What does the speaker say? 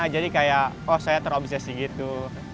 jadi kayak oh saya terobsesi gitu